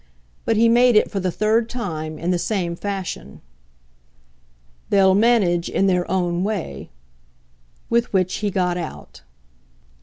But he made it, for the third time, in the same fashion. "They'll manage in their own way." With which he got out.